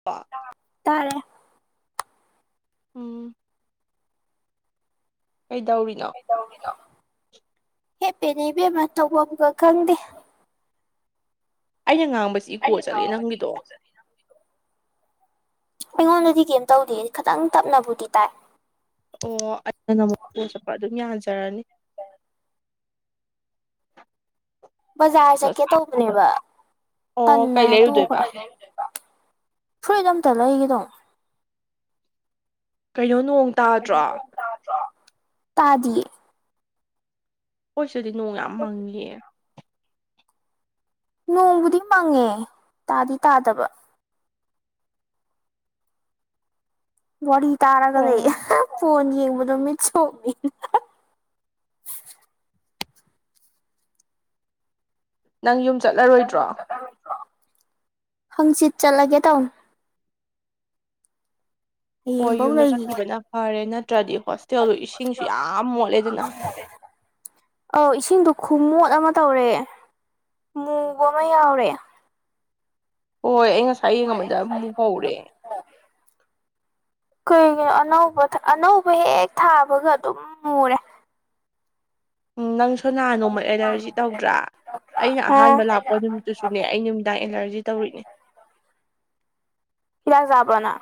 ꯄꯣ ꯇꯥꯔꯦ ꯎꯝ ꯀꯩꯗꯧꯔꯤꯅꯣ ꯍꯤꯞꯄꯤꯅꯤ ꯏꯕꯦꯝꯃ ꯇꯧꯕꯝꯒ ꯈꯪꯗꯦ ꯑꯩꯅ ꯉꯥꯡꯕꯁꯤ ꯏꯀꯣ ꯆꯠꯂꯤ ꯅꯪꯒꯤꯗꯣ ꯑꯩꯉꯣꯟꯗꯗꯤ ꯀꯩꯝ ꯇꯧꯗꯦꯍꯦ ꯈꯥꯇꯪ ꯇꯞꯅꯕꯨꯗꯤ ꯇꯥꯏ ꯑꯣ ꯑꯩꯗꯅ ꯑꯃꯨꯛ ꯏꯀꯣ ꯆꯠꯄ ꯑꯗꯨꯝ ꯌꯥꯖꯔꯅꯤ [unintelligible] ꯕꯖꯥꯔ ꯆꯠꯀꯦ ꯇꯧꯕꯅꯦꯕ ꯑꯣ ꯀꯩ ꯇꯟꯗꯅ ꯂꯩꯔꯨꯗꯣꯏꯕ ꯇꯣꯛꯈ꯭ꯔꯦ ꯐꯨꯔꯤꯠ ꯑꯝꯇ ꯂꯩꯒꯦ ꯇꯧꯅꯤ ꯀꯩꯅꯣ ꯅꯣꯡ ꯇꯥꯗ꯭ꯔꯣ ꯀꯩꯅꯣ ꯅꯣꯡ ꯇꯥꯗ꯭ꯔꯣ ꯇꯥꯗꯤꯌꯦ ꯑꯩꯈꯣꯏ ꯁꯤꯗꯗꯤ ꯅꯣꯡ ꯌꯥꯝ ꯃꯪꯉꯤꯍꯦ ꯅꯣꯡꯕꯨꯗꯤ ꯃꯪꯉꯦ ꯇꯥꯗꯤ ꯇꯥꯗꯕ ꯋꯥꯔꯤ ꯇꯥꯔꯒ ꯑꯣ ꯂꯩꯌꯦ ꯐꯣꯟ ꯌꯦꯡꯕꯗꯣ ꯃꯤꯠ ꯁꯣꯛꯅꯦꯅꯥ ꯅꯪ ꯌꯨꯝ ꯆꯠꯂꯔꯣꯏ ꯅꯪ ꯌꯨꯝ ꯆꯠꯂꯔꯣꯏꯗ꯭ꯔꯣ ꯍꯪꯆꯤꯠ ꯆꯠꯂꯒꯦ ꯇꯧꯅꯦ ꯍꯣꯏ ꯍꯌꯦꯡꯐꯧ ꯌꯨꯝꯗ ꯂꯩꯈꯤꯒꯦ ꯆꯠꯈꯤꯕꯅ ꯐꯔꯦ ꯅꯠꯇ꯭ꯔꯗꯤ ꯍꯣꯁꯇꯦꯜꯗꯨ ꯏꯁꯤꯡꯁꯨ ꯌꯥꯝ ꯃꯣꯠꯂꯦ ꯑꯗꯨꯅ ꯑꯧ ꯏꯁꯤꯡꯗꯣ ꯈꯨꯃꯣꯠ ꯑꯃ ꯇꯧꯔꯦ ꯃꯨꯕ ꯑꯃ ꯌꯥꯎꯔꯦ ꯍꯣꯏ ꯑꯩ ꯉꯁꯥꯏ ꯌꯦꯡꯉꯝꯕꯗ ꯑꯃꯨꯛ [unintelligible] [inaudible] ꯀꯩꯒꯤꯅꯣ ꯑꯅꯧꯕ ꯊꯥ ꯑꯅꯧꯕ ꯍꯦꯛ ꯊꯥꯕꯒ ꯑꯗꯨꯝ ꯃꯨꯔꯦ ꯎꯝ ꯅꯪꯁꯨ ꯅꯍꯥꯟ ꯅꯣꯡꯃ ꯑꯦꯂꯔꯖꯤ ꯇꯧꯗ꯭ꯔꯥ ꯑꯩꯅ ꯑꯣ ꯑꯍꯥꯟꯕ ꯂꯥꯛꯄ ꯅꯨꯃꯤꯠ ꯇꯨꯁꯨꯅꯦ ꯑꯩ ꯅꯨꯃꯤꯗꯥꯡ ꯑꯦꯂꯔꯖꯤ ꯇꯧꯔꯤꯅꯦ ꯍꯤꯗꯥꯛ ꯆꯥꯕꯔꯣ ꯅꯪ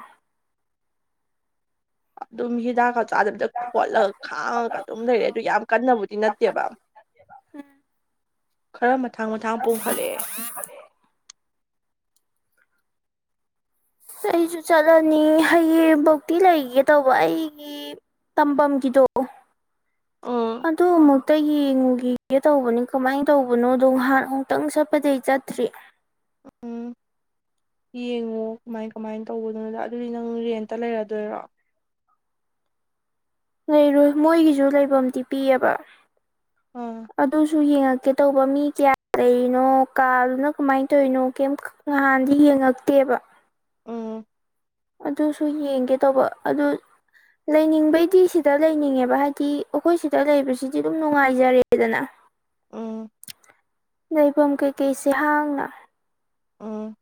ꯑꯗꯨꯝ ꯍꯤꯗꯥꯛꯀꯠ ꯆꯥꯗꯕꯤꯗ ꯈꯣꯠꯂꯒ ꯈꯥꯡꯉꯒ ꯑꯗꯨꯝ ꯂꯩꯔꯦ ꯑꯗꯨ ꯌꯥꯝ ꯀꯟꯅꯕꯨꯗꯤ ꯅꯠꯇꯦꯕ ꯈꯔ ꯃꯊꯪ ꯃꯊꯪ ꯄꯣꯈꯠꯂꯛꯑꯦ ꯑꯩꯁꯨ ꯆꯠꯂꯅꯤ ꯍꯌꯦꯡꯐꯧꯇꯤ ꯂꯩꯒꯦ ꯇꯧꯕ ꯑꯩꯒꯤ ꯇꯐꯝꯒꯤꯗꯣ ꯑꯥ ꯑꯗꯨ ꯑꯃꯨꯛꯇ ꯌꯦꯡꯉꯨꯒꯤ ꯒꯦ ꯇꯧꯕꯅꯤ ꯀꯃꯥꯏꯅ ꯇꯧꯕꯅꯣꯗꯣꯅꯍꯥꯟ ꯑꯃꯨꯛꯇꯪ ꯆꯠꯄꯗꯤ ꯆꯠꯇ꯭ꯔꯤ ꯎꯝ ꯌꯦꯡꯉꯣ ꯀꯃꯥꯏ ꯀꯃꯥꯏꯅ ꯇꯧꯕꯗꯨꯅꯣꯗ ꯑꯗꯨꯗꯤ ꯅꯪ ꯔꯦꯟꯇ ꯂꯩꯔꯗꯣꯏꯔꯣ ꯂꯩꯔꯣꯏ ꯃꯣꯏꯒꯤꯁꯨ ꯂꯩꯐꯝꯗꯤ ꯄꯤꯑꯦꯕ ꯑꯥ ꯑꯗꯨꯁꯨ ꯌꯦꯡꯉꯛꯀꯦ ꯇꯧꯕ ꯃꯤ ꯀꯌꯥ ꯂꯩꯔꯤꯅꯣ ꯀꯥꯗꯨꯅ ꯀꯃꯥꯏꯅ ꯇꯧꯔꯤꯅꯣ ꯀꯩꯝ ꯅꯍꯥꯟꯗꯤ ꯌꯦꯡꯉꯛꯇꯦꯕ ꯎꯝ ꯑꯗꯨꯁꯨ ꯌꯦꯡꯒꯦ ꯇꯧꯕ ꯑꯗꯨ ꯂꯩꯅꯤꯡꯕꯩꯗꯤ ꯁꯤꯗ ꯂꯩꯅꯤꯡꯉꯦꯕ ꯍꯥꯏꯗꯤ ꯑꯩꯈꯣꯏ ꯁꯤꯗ ꯂꯩꯕꯁꯤꯗꯤ ꯑꯗꯨꯝ ꯅꯨꯡꯉꯥꯏꯖꯔꯦꯗꯅ ꯑꯝ ꯂꯩꯐꯝ ꯀꯩꯀꯩꯁꯦ ꯍꯥꯡꯅꯥ [inaudible]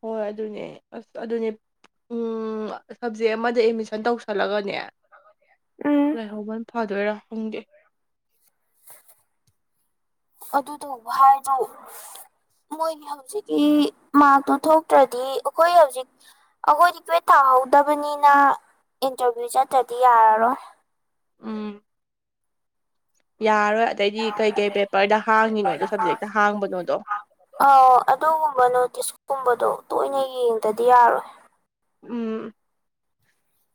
ꯍꯣꯏ ꯑꯗꯨꯅꯦ ꯑꯁ ꯑꯗꯨꯅꯦ ꯁꯞꯖꯦꯛ ꯑꯃꯗ ꯑꯦꯠꯃꯤꯁꯟ ꯇꯧꯁꯜꯂꯒꯅꯦ ꯎꯝ ꯂꯩꯍꯧꯕꯅꯥ ꯐꯥꯗꯣꯏꯔꯥ ꯈꯪꯗ° ꯑꯗꯨꯗꯨ ꯍꯥꯏꯗꯨ ꯃꯣꯏꯒꯤ ꯍꯧꯖꯤꯛꯀꯤ ꯃꯥꯔꯛꯇꯨ ꯊꯣꯛꯇ꯭ꯔꯗꯤ ꯑꯩꯈꯣꯏ ꯍꯧꯖꯤꯛ ꯑꯩꯈꯣꯏ ꯀꫭꯏꯛꯋꯦꯠ ꯊꯥꯍꯧꯗꯕꯅꯤꯅ ꯏꯟꯇꯔꯚꯤꯌꯨ ꯆꯠꯇ꯭ꯔꯗꯤ ꯌꯥꯔꯔꯣꯏ ꯌꯥꯔꯣꯏ ꯑꯗꯩꯗꯤ ꯀꯩꯀꯩ ꯄꯦꯄꯔꯗ ꯍꯥꯡꯉꯤꯅꯣꯗꯣ ꯁꯕꯖꯦꯛꯇ ꯍꯥꯡꯕꯅꯣꯗꯣ ꯑꯧ ꯑꯗꯨꯒꯨꯝꯕ ꯅꯣꯇꯤꯁꯀꯨꯝꯕꯗꯣ ꯇꯣꯏꯅ ꯌꯦꯡꯗꯗꯤ ꯌꯥꯔꯣꯏ ꯎꯝ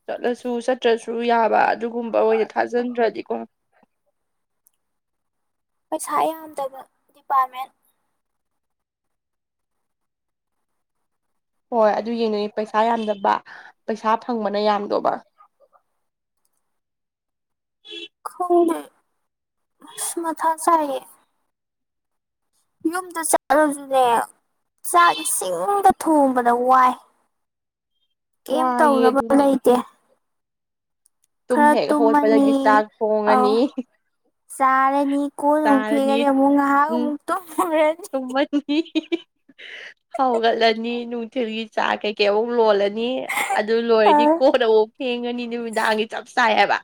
ꯆꯠꯂꯁꯨ ꯆꯠꯇ꯭ꯔꯁꯨ ꯌꯥꯕ ꯑꯗꯨꯒꯨꯝꯕ ꯑꯣꯏꯅ ꯊꯥꯖꯤꯟꯗ꯭ꯔꯗꯤꯀꯣ ꯄꯩꯁꯥ ꯌꯥꯝꯗꯕ ꯗꯤꯄꯥꯔꯠꯃꯦꯟ ꯍꯣꯏ ꯑꯗꯨ ꯌꯦꯡꯗꯣꯏꯅꯤ ꯄꯩꯁꯥ ꯌꯥꯝꯗꯕ ꯄꯩꯁꯥ ꯐꯪꯕꯅ ꯌꯥꯝꯗꫭꯕ ꯈꯪꯗꯦ ꯑꯁ ꯃꯊꯥ ꯁꯥꯏꯌꯦ ꯌꯨꯝꯗ ꯆꯠꯂꯗꯨꯅꯦ ꯆꯥꯛ ꯏꯁꯤꯡꯗ ꯊꯣꯡꯕꯗ ꯋꯥꯏ ꯀꯩꯝ ꯋꯥꯏꯌꯦ ꯇꯧꯅꯕ ꯑꯗꯨꯅꯤ ꯂꯩꯇꯦ ꯇꯨꯝ ꯈꯔ ꯍꯦꯛ ꯇꯨꯝꯃꯅꯤ ꯍꯧꯒꯠꯄꯗꯒꯤ ꯆꯥꯛ ꯑꯧ ꯊꯣꯡꯉꯅꯤ ꯆꯔꯥꯅꯤ ꯀꫭꯟ ꯑꯃꯨꯛ ꯆꯥꯔꯅꯤ ꯐꯤꯒꯗꯤ ꯑꯃꯨꯛ ꯉꯍꯥꯛ ꯎꯝ ꯑꯃꯨꯛ ꯇꯨꯃꯨꯔꯅꯤ ꯇꯨꯝꯃꯅꯤ ꯍꯧꯒꯠꯂꯅꯤ ꯅꯨꯡꯊꯤꯜꯒꯤ ꯆꯥ ꯀꯩꯀꯩ ꯑꯃꯨꯛ ꯂꯣꯜꯂꯅꯤ ꯑꯗꯨ ꯂꯣꯏꯔꯗꯤ ꯑꯥ ꯀꯣꯟꯅ ꯑꯃꯨꯛ ꯐ°ꯡꯉꯅꯤ ꯅꯨꯃꯤꯗꯥꯡꯒꯤ ꯆꯞ ꯆꯥꯏ ꯍꯥꯏꯕ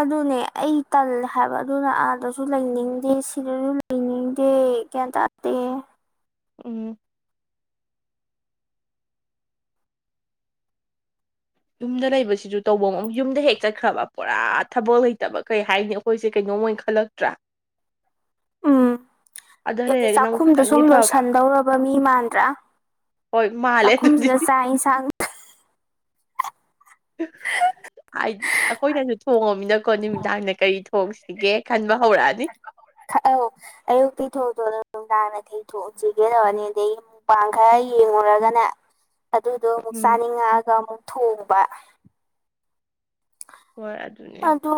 ꯑꯗꯨꯅꯦ ꯑꯩ ꯇꯜꯂꯦ ꯍꯥꯏꯕ ꯑꯗꯨꯅ ꯑꯥꯗꯁꯨ ꯂꯩꯅꯤꯡꯗꯦ ꯁꯤꯗꯁꯨ ꯔꯩꯅꯤꯡꯗ° ꯒꯌꯥꯟ ꯇꯥꯗꯦ [inaudible] ꯌꯨꯝꯗ ꯂꯩꯕꯁꯤꯁꯨ ꯇꯧꯕ ꯑꯃ ꯌꯨꯝꯗ ꯍꯦꯛ ꯆꯠꯈ꯭ꯔꯕ ꯄꯨꯔꯥ ꯊꯕꯛ ꯂꯩꯇꯕ ꯀꯩ ꯍꯥꯏꯅꯤ ꯑꯩꯈꯣꯏꯁꯦ ꯀꯩꯅꯣꯏ ꯑꫭꯏꯅꯥ ꯈꯜꯂꯛꯇ꯭ꯔꯥ ꯎꯝ ꯑꯗ ꯍꯥꯏꯗꯤ ꯂꯩꯔꯒꯅ ꯑꯃꯨꯛ ꯆꯥꯛꯈꯨꯝꯗꯥ ꯈꯤꯇꯪꯗꯤ ꯁꯨꯝ ꯐꯕ ꯂꯣꯏꯁꯟꯗꯧꯔꯕ ꯃꯤ ꯃꯥꯟꯗ꯭ꯔꯥ ꯍꯣꯏ ꯃꯥꯜꯂꯦ ꯆꯥꯛꯈꯨꯝ ꯑꯗꯨꯗꯤ ꯁꯤꯗꯥ ꯆꯥꯛ ꯑ°ꯟꯁꯥꯡ [unintelligible] ꯑꯩꯈꫭꯏꯅꯗꯥ ꯊꯣꯡꯉꯃꯤꯅꯀꯣ ꯅꯨꯃꯤꯗꯥꯡꯗ ꯀꯔꯤ ꯊꯣꯡꯁꯤꯒꯦ ꯈꯟꯕ ꯍꯧꯔꯛꯑꯅꯤ [inaudible] ꯑꯌꯨꯛꯀꯤ ꯊꯣꯡ ꯊꫭꯡꯅ ꯅꯨꯡꯗꯥꯅ ꯀꯩ ꯊꫭꯡꯁꯤꯒ° ꯇꯧꯔꯅꯤ ꯑꯗꯩ ꯄꯥꯡꯈꯥ ꯌꯦꯡꯉꯨꯔꯒꯅ ꯑꯗꯨꯗꯣ ꯑꯃꯨꯛ ꯎꯝ ꯆꯥꯅꯤꯡꯉꯛꯑꯒ ꯑꯃꯨꯛ ꯊꯣꯡꯕ ꯍꯣꯏ [inaudible] ꯑꯗꯨ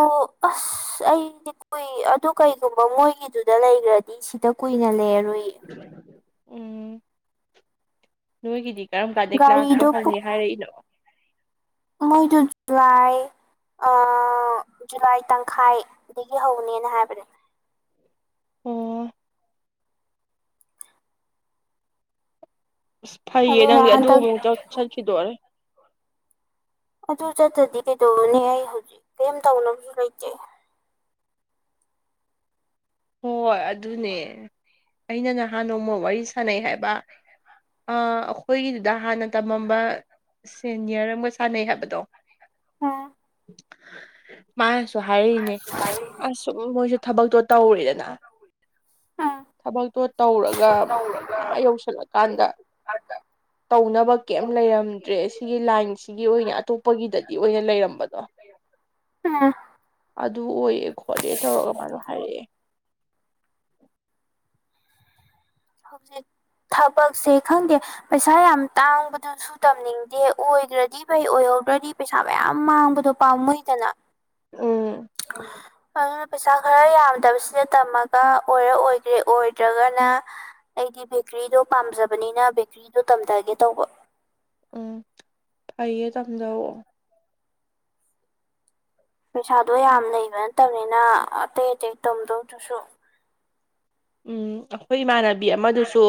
ꯑꯁ ꯑꯩ [inaudible] ꯀꯨꯏ ꯑꯗꯨ ꯀꯩꯒꯨꯝꯕ ꯃꯣꯏꯒꯤꯗꯨꯗ ꯂꯩꯈ꯭ꯔꯗꯤ ꯁꯤꯗ ꯀꯨꯏꯅ ꯂꯩꯔꯔꫭꯏ ꯎꯝ ꯅꯣꯏꯒꯤꯗꯤ ꯀꯔꯝ ꯀꯥꯟꯗꯩ ꯀ꯭ꯂꯥꯁꯇꯣ ꯒꯥꯔꯤꯗꯣ ꯍꯧꯅꯤ ꯍꯥꯏꯔꯛꯏꯅꯣ ꯃꯣꯏꯗꯨ ꯖꯨꯂꯥꯏ ꯑꯥ ꯖꯨꯂꯥꯏ ꯇꯪꯈꯥꯏꯗꯒꯤ ꯍꯧꯅꯦꯅ ꯍꯥꯏꯕꯅꯦ ꯑꯣꯑꫭ ꯑꯁ ꯐꯩꯌꯦ ꯑꯗꯨꯅ ꯅꯪꯗꯤ ꯑꯗꯨ ꯍꯟꯗꯛ ꯑꯃꯨꯛ ꯆꯠꯈꯤꯗꯣꯔꯦ ꯑꯗꯨ ꯆꯠꯇ꯭ꯔꯗꯤ ꯀꯩꯗꯧꯕꯅꯤ ꯑꯩ ꯍꯧꯖꯤꯛ ꯀꯔꯤꯝ ꯇꯧꯅꯕꯁꯨ ꯂꯩꯇꯦ ꯍꯣꯏ ꯑꯗꯨꯅꯦ ꯑꯩꯅ ꯅꯍꯥꯟ ꯅꯣꯡꯃ ꯋꯥꯔꯤ ꯁꯥꯟꯅꯩ ꯍꯥꯏꯕ ꯑ‌ ꯑꯈꯣꯏꯒꯤꯗꯨꯗ ꯍꯥꯟꯅ ꯇꯝꯃꯝꯕ ꯁꯦꯅꯤꯌ꯭ꯔ ꯑꯝꯒ ꯁꯥꯟꯅꯩ ꯍꯥꯏꯕꯗꯣ ꯎꯝ ꯃꯥꯥꯅꯁꯨ ꯍꯥꯏꯔꯛꯏꯅꯦ ꯑꯁ ꯁꯨꯝ ꯃꯣꯏꯁꯨ ꯊꯕꯛꯇꯣ ꯇꯧꯔ‌ꯦꯗꯅ ꯊꯕꯛꯇꯣ ꯇꯧꯔꯒ ꯑꯥ ꯌꯧꯁꯜꯂꯀꯥꯟꯗ ꯇꯧꯅꯕ ꯀꯩꯝ ꯂꯩꯔꯝꯗ꯭ꯔꯦ ꯁꯤꯒꯤ ꯂꯥꯏꯟꯁꯤꯒꯤ ꯑꯣꯏꯅ ꯑꯇꯣꯞꯄꯒꯤꯗꯗꯤ ꯑꯣꯏꯅ ꯂꯩꯔꯝꯕꯗꯣ [inaudible] ꯎꯝ ꯑꯗꯨ ꯑꯣꯏꯌꯦ ꯈꯣꯠꯂꯦ ꯇꯧꯔꯒ ꯃꯥꯗꯣ ꯍꯥꯏꯔꯛꯑꯦ ꯍꯧꯖꯤꯛ ꯊꯕꯛꯁꯦ ꯈꯪꯗꯦ ꯄꯩꯁꯥ ꯌꯥꯝ ꯇꯥꯡꯕꯗꯨꯖꯨ ꯁꯨ ꯇꯝꯅꯤꯡꯗꯦ ꯑꯣꯏꯒ꯭ꯔꯗꯤ ꯐꯩ ꯑꯣꯏꯍꯧꯗ꯭ꯔꯗꯤ ꯄꯩꯁꯥ ꯃꯌꯥꯝ ꯃꯥꯡꯕꯗꯣ ꯄꯥꯝꯃꯨꯏꯗꯅ ꯎꯝ [unintelligible] ꯑꯗꯨꯅ ꯄꯩꯁꯥ ꯈꯔ ꯌꯥꯝꯗꯕꯁꯤꯗ ꯇꯝꯃꯒ ꯑꯣꯏꯔ ꯑꯣꯏꯒ꯭ꯔꯦ ꯑꯣꯏꯗ꯭ꯔꯒꯅ ꯑꯩꯗꯤ ꯕꯦꯀ꯭ꯔꯤꯗꯣ ꯄꯥꯝꯖꯕꯅꯤꯅ ꯕꯦꯀ꯭ꯔꯤꯗꯣ ꯇꯝꯗꯒꯦ ꯇꯧꯕ ꯎꯝ ꯐꯩꯌꯦ ꯇꯝꯗꯧꯑꯣ ꯄꯩꯁꯥꯗꯣ ꯌꯥꯝ ꯂꯩꯕ ꯅꯠꯇꯝꯅꯤꯅ ꯑꯇꯩ ꯑꯇꯩ ꯇꯝꯗꯧꯗꯨꯁꯨ ꯎꯝ ꯑꯩꯈꯣꯏ ꯏꯃꯥꯟꯅꯕꯤ ꯑꯃꯗꯨꯁꯨ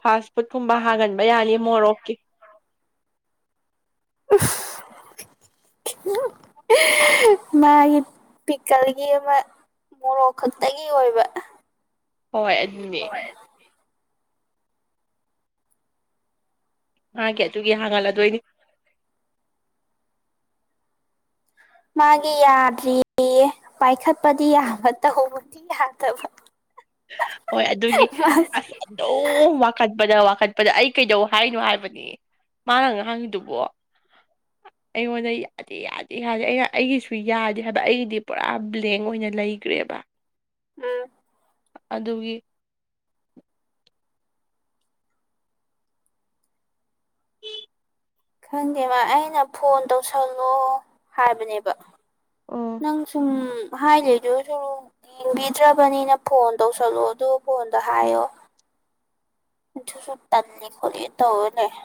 ꯐꯥꯁ ꯐꯨꯠ ꯀꯨꯝꯕ ꯍꯥꯡꯍꯟꯕ ꯌꯥꯅꯤ ꯃꯣꯔꯣꯛꯀꯤ [inaudible] [unintelligible] ꯃꯥꯒꯤ ꯄꯤꯛꯀꯜꯒꯤ ꯑꯃ ꯃꯣꯔꯣꯛ ꯈꯛꯇꯒꯤ ꯑꯣꯏꯕ ꯍꯣꯏ ꯑꯗꯨꯅꯦ ꯃꯥꯒꯤ ꯑꯗꯨꯒꯤ ꯍꯥꯡꯍꯜꯂꯗꯣꯏꯅꯤ ꯃꯥꯒꯤ ꯌꯥꯗ꯭ꯔꯤꯌꯦ ꯄꯥꯏꯈꯠꯄꯗꯤ ꯌꯥꯕ ꯇꯧꯕꯗꯤ ꯗꯤ ꯌꯥꯗꯕ ꯍꯣꯏ ꯑꯗꯨꯒꯤ ꯃꯥꯁꯦ ꯑꯁ ꯑꯗꯨꯝ ꯋꯥꯛ ꯈꯠꯄꯗ ꯋꯥꯀꯠꯄꯗ ꯑꯩ ꯀꯩꯗꯧ ꯍꯥꯏꯅꯣ ꯍꯥꯏꯕꯅꯤ ꯃꯥꯅ ꯉꯥꯡꯉꯤꯗꯨꯕꯣ ꯑꯩꯉꯣꯟꯗ ꯌꯥꯠ ꯗ‌ꯦ ꯌꯥꯗꯦ ꯌꯥꯗꯦ ꯑꯩꯅ ꯑꯩꯒꯤꯁꯨ ꯌꯥꯗꯦ ꯍꯥꯏꯕ ꯑꯩꯒꯤꯗꯤ ꯄꯨꯔꯥ ꯕ꯭ꯂꯦꯡ ꯑꯣꯏꯅ ꯂꯩꯒ꯭ꯔꯦꯕ ꯎꯝ ꯑꯗꯨꯒꯤ ꯈꯪꯗꯦ ꯃꯥ ꯑꯩꯅ ꯐꯣꯟ ꯇꯧꯁꯜꯂꯣ ꯍꯥꯏꯕꯅꯦꯕ ꯑꯣ ꯅꯪ ꯁꯨꯝ ꯍꯥꯏ ꯂꯩꯗꯣꯏ ꯁꯔꯨꯝ ꯌꯦꯡꯕꯤꯗ꯭ꯔꯕꯅꯤꯅ ꯐꯣꯟ ꯇꯧꯁꯜꯂꯣ ꯑꯗꯨ ꯐꯣꯟꯗ ꯍꯥꯏꯌꯣ ꯑꯗꯨꯁꯨꯨ ꯇꯜꯂ‌ꯦ ꯈꯣꯠꯂ‌ꯦ ꯇꯧꯔ ꯂꯩꯔꯦ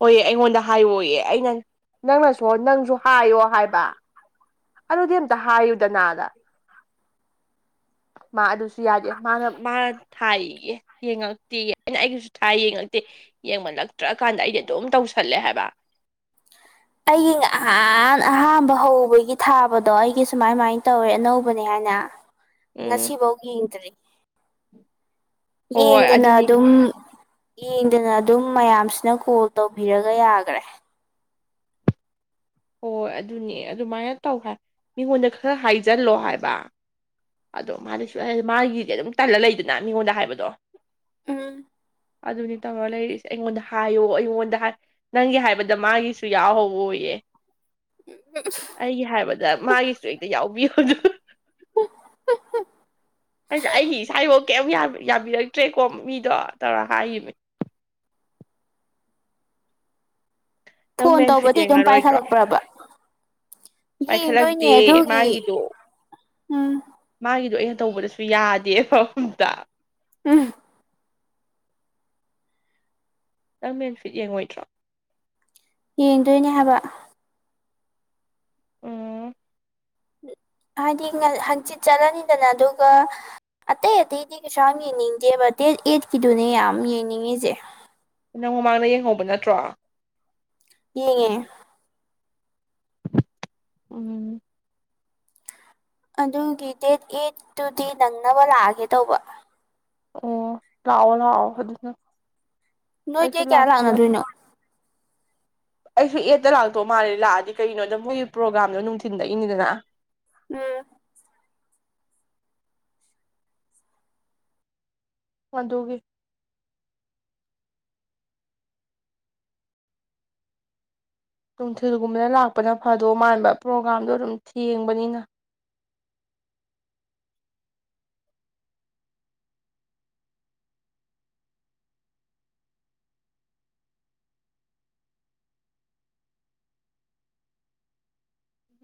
ꯍ‌ꯣꯏꯌꯦ ꯑꯩꯉꯣꯟꯗ ꯍꯥꯏꯋ‌ꯣꯌꯦ ꯑꯩꯅꯟ ꯅꯪꯅꯁꯨ ꯅꯪꯁꯨ ꯍꯥꯏꯌꯣ ꯍꯥꯏꯕ ꯑꯗꯨꯗꯤ ꯑꯝꯇ ꯍꯥꯏꯌꯨꯗꯅꯥꯗ ꯃꯥ ꯑꯗꯨꯁꯨ ꯌꯥꯗꯦ ꯃꯥꯅ ꯃꯥꯅ ꯊꯥꯏꯌꯦꯌ‌ꯦ ꯌꯦꯡꯉꯛꯇꯦꯌ‌ꯦ ꯑꯩꯅ ꯑꯩꯒꯤꯁꯨ ꯊꯥꯏ ꯌꯦꯡꯉꯛꯇꯦ ꯌꯦꯡꯃꯜꯂꯛꯇ꯭ꯔ ꯀꯥꯟꯗ ꯑꯩꯗꯤ ꯑꯗꯨꯝ ꯇꯧꯁꯜꯂꯦ ꯍꯥꯏꯕ ꯑꯩꯒꯤ ꯉꯍꯥꯟ ꯑꯍꯥꯝꯕ ꯍꯧꯕꯒꯤ ꯊꯥꯕꯗꯣ ꯑꯩꯒꯤ ꯁꯨꯃꯥꯏ ꯃꯥꯏ ꯇꯧꯔꯦ ꯑꯅꯧꯕꯅꯦ ꯍꯥꯏꯅ ꯎꯝ ꯉꯁꯤꯕꯧ ꯌꯦꯡꯗ꯭ꯔꯤ ꯍꯣꯏ ꯍꯣꯏ ꯌꯦꯡꯗꯅ ꯑꯗꯨꯅꯤ ꯑꯗꯨꯝ ꯌꯦꯡꯗꯅ ꯑꯗꯨꯝ ꯃꯌꯥꯝꯁꯤꯅ ꯀꯣꯜ ꯇꯧꯕꯤꯔꯒ ꯌꯥꯒꯔꯦ ꯍꯣꯏꯣ ꯑꯗꯨꯅꯦ ꯑꯗꯨꯃꯥꯏꯅ ꯇꯧ ꯍꯥꯏ ꯃꯤꯉꯣꯟꯗ ꯈꯔ ꯍꯥꯏꯖꯜꯂꯣ ꯍꯥꯏꯕ ꯑꯗꯣ ꯃꯥꯗꯤ [unintelligible] ꯃꯥꯒꯤꯗꯤ ꯑꯗꯨꯝ ꯇꯜꯂ ꯂꯩꯗꯅ ꯃꯤꯉꯣꯟꯗ ꯍꯥꯏꯕꯗꯣ꯫ ꯎꯝ꯫ ꯑꯗꯨꯅꯤ ꯇꯧꯔꯒ ꯂꯩꯔꯤꯁꯦ ꯑꯩꯉꯣꯟꯗ ꯍꯥꯏꯌꯣ ꯑꯩꯉꯣꯟꯗ ꯍꯥꯏ ꯅꯪꯒꯤ ꯍꯥꯏꯕꯗ ꯃꯥꯒꯤꯁꯨ ꯌꯥꯎꯍꯧꯋꯣꯌꯦ꯫ [unintelligible] ꯑꯩꯒꯤ ꯍꯥꯏꯕꯗ ꯃꯥꯒꯤꯁꯨ ꯍꯦꯛꯇ ꯌꯥꯎꯕꯤꯌꯣꯗꯨ꯫ ꯑꯩꯗꯤ ꯑꯩꯒꯤ ꯏꯁꯥꯒꯤꯐꯥꯎ ꯀꯩꯝ ꯌꯥ-ꯌꯥꯕꯤꯔꯛꯇ꯭ꯔꯦꯀꯣ ꯃꯤꯗꯣ ꯇꯧꯔ ꯍꯥꯏꯈꯤꯃꯦ꯫ ꯅꯪ ꯐꯣꯟ ꯃꯦꯟ ꯐꯤꯠ ꯇꯧꯕꯗꯤ ꯑꯗꯨꯝ ꯌꯦꯡꯉꯔꯣꯏꯗ꯭ꯔꯣ ꯄꯥꯏꯈꯠꯂꯛꯄ꯭ꯔꯕ꯫ ꯌꯦꯡꯗꯣꯏꯅꯦ ꯄꯥꯏꯈꯠꯂꯛꯇꯦ ꯑꯗꯨꯒꯤ ꯃꯥꯒꯤꯗꯣ ꯎꯝ꯫ ꯃꯥꯒꯤꯗꯣ ꯑꯩꯅ ꯇꯧꯕꯗꯁꯨ ꯌꯥꯗꯦꯕ ꯑꯝꯇ꯫ ꯎꯝ꯫ ꯅꯪ ꯃꯦꯟꯐꯤꯠ ꯌꯦꯡꯉꯣꯏꯗ꯭ꯔꯣ꯫ ꯌꯦꯡꯗꯣꯏꯅꯦ ꯍꯥꯏꯕ꯫ ꯑꯣ꯫ ꯍꯥꯏꯗꯤ ꯉ-ꯍꯪꯆꯤꯠ ꯆꯠꯂꯅꯤꯗꯅ ꯑꯗꯨꯒ ꯑꯇꯩ ꯑꯇꯩꯗꯤ ꯀꯩꯁꯨꯥ ꯌꯥꯝ ꯌꯦꯡꯅꯤꯡꯗꯦꯕ ꯗꯦꯠ ꯑꯩꯠꯀꯤꯗꯨꯅꯦ ꯌꯥꯝ ꯌꯦꯡꯅꯤꯡꯉꯤꯁꯦ꯫ ꯅꯪ ꯃꯃꯥꯡꯗ ꯌꯦꯡꯍꯧꯕ ꯅꯠꯇ꯭ꯔꯣ꯫ ꯌꯦꯡꯉꯦ꯫ ꯎꯝ꯫ ꯑꯗꯨꯒꯤ ꯗꯦꯠ ꯑꯦꯠꯇꯨꯗꯤ ꯅꯪꯅꯕ ꯂꯥꯛꯑꯒꯦ ꯇꯧꯕ꯫ ꯑꯣ ꯂꯥꯛꯑꯣ ꯂꯥꯛꯑꯣ ꯑꯗꯨꯅ ꯅꯣꯏ ꯗꯦꯠ ꯑꯩꯁꯨ ꯀꯌꯥ ꯂꯥꯛꯇ ꯌꯥꯗꯦ ꯂꯥꯛꯅꯗꯣꯏꯅꯣ꯫ ꯑꯩꯁꯨ ꯑꯦꯠꯇ ꯂꯥꯛꯇꯧ ꯃꯥꯜꯂꯦ ꯂꯥꯛꯑꯗꯤ ꯀꯩꯒꯤꯅꯣꯗ ꯃꯣꯏꯒꯤ ꯄ꯭ꯔꯣꯒꯥꯝꯗꯣ ꯅꯨꯡꯊꯤꯟꯗꯒꯤꯅꯤꯗꯅ꯫ ꯎꯝ꯫ ꯑꯗꯨꯒꯤ꯫ ꯅꯨꯡꯊꯤꯜꯒꯨꯝꯕꯗ ꯂꯥꯛꯄꯅ ꯐꯗꯣ ꯃꯥꯟꯕ ꯄ꯭ꯔꯣꯒꯥꯥꯝꯗꯣ ꯑꯗꯨꯝ ꯊꯦꯡꯕꯅꯤꯅ꯫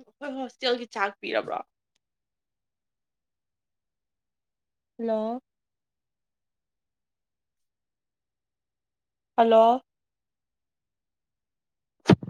ꯑꯩꯈꯣꯏ ꯍꯣꯁꯇꯦꯜꯒꯤ ꯆꯥꯛ ꯄꯤꯔꯕ꯭ꯔꯣ꯫ ꯍꯜꯂꯣ꯫ ꯍꯜꯂꯣ꯫